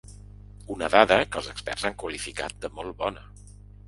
Una dada, que els experts, han qualificat de molt bona.